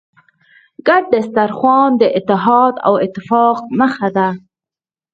ګډ سترخوان د اتحاد او اتفاق نښه ده.